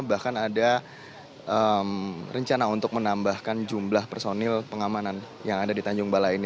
bahkan ada rencana untuk menambahkan jumlah personil pengamanan yang ada di tanjung balai ini